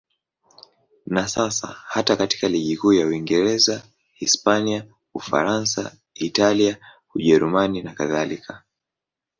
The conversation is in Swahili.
Na sasa hata katika ligi kuu za Uingereza, Hispania, Ufaransa, Italia, Ujerumani nakadhalika.